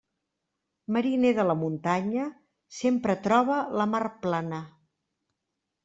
Mariner de la muntanya, sempre troba la mar plana.